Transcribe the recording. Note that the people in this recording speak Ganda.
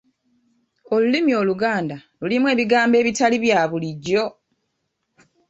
Olulimi Oluganda lulimu ebigambo ebitali bya bulijjo!